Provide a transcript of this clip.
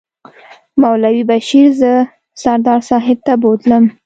مولوي بشیر زه سردار صاحب ته بوتلم.